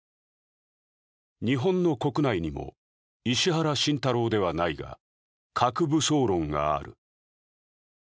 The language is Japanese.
日本の国内にも石原慎太郎ではないが核武装論がある。